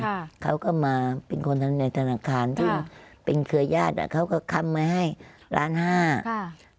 ค่ะเขาก็มาเป็นคนทำในธนาคารซึ่งเป็นเครือญาติอ่ะเขาก็คำมาให้ล้านห้าค่ะ